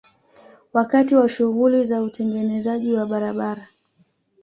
Wakati wa shughuli za utengenezaji wa barabara